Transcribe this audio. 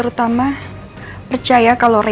gua mau yang gue